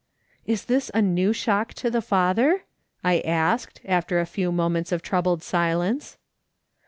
" Is this a new shock to the father ?" I asked, after a few moments of troubled silence.